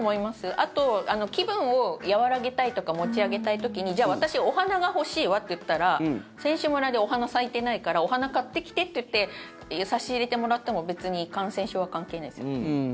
あと、気分を和らげたいとか持ち上げたい時にじゃあ私、お花が欲しいわっていったら選手村でお花咲いてないからお花買ってきてっていって差し入れてもらっても別に感染症は関係ないですよ。